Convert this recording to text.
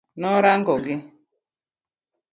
Norango gi.